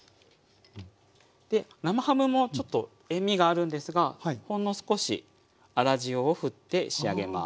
で生ハムもちょっと塩みがあるんですがほんの少し粗塩をふって仕上げます。